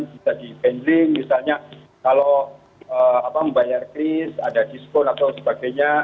bisa di handling misalnya kalau membayar kris ada diskon atau sebagainya